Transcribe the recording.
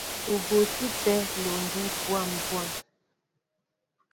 Ó botí pē alɔŋgɛ́ bwâm bwâm.